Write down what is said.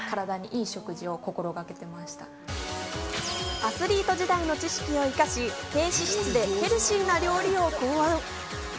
アスリート時代の知識を生かし、低脂質でヘルシーな料理を考案。